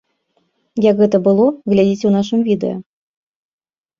Як гэта было, глядзіце ў нашым відэа.